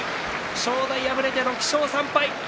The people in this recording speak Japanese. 正代、敗れて６勝３敗。